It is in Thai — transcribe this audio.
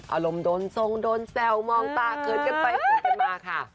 อารมณ์โดนทรงโดนแซลมองตาเคริดกันไปเคริดกันมา